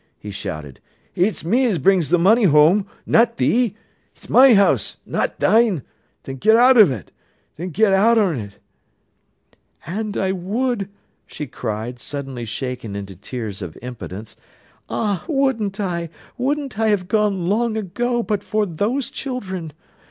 he shouted. "It's me as brings th' money whoam, not thee. It's my house, not thine. Then ger out on't—ger out on't!" "And I would," she cried, suddenly shaken into tears of impotence. "Ah, wouldn't I, wouldn't I have gone long ago, but for those children.